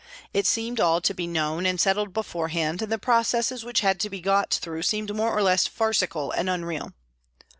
It seemed all to be known and settled beforehand, and the processes which had to be got through seemed more or less farcical and unreal.